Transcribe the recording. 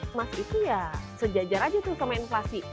emas itu ya sejajar aja tuh sama inflasi